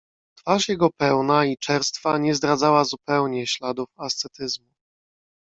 "Twarz jego pełna i czerstwa nie zdradzała zupełnie śladów ascetyzmu."